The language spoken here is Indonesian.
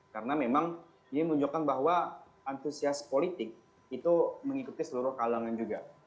karena memang ini menunjukkan bahwa antusias politik itu mengikuti seluruh kalangan juga